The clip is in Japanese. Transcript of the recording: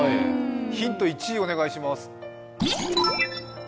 ヒント１、お願いします。